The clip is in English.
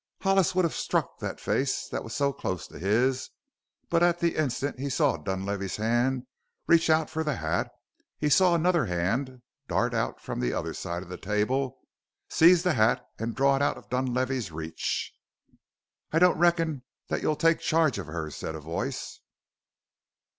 Hollis would have struck the face that was so close to his, but at the instant he saw Dunlavey's hand reach out for the hat he saw another hand dart out from the other side of the table, seize the hat, and draw it out of Dunlavey's reach. "I don't reckon that you'll take charge of her!" said a voice.